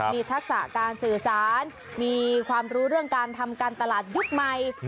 มีทักษะการสื่อสารมีความรู้เรื่องการทำการตลาดยุคใหม่